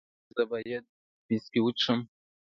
ایا زه باید ویسکي وڅښم؟